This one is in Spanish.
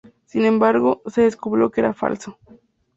Sin embargo se descubrió que era falso.